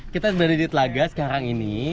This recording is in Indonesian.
kita berada di telaga sekarang ini